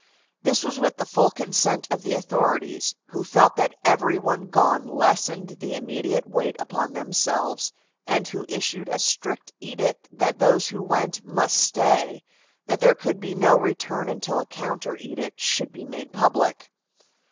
This was with the full consent of the authorities, who felt that every one gone lessened the immediate weight upon themselves, and who issued a strict edict that those who went must stay, that there could be no return until a counter edict should be made public.